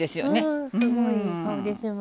うんすごいいい香りします。